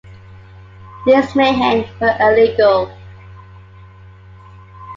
These meyhane were illegal.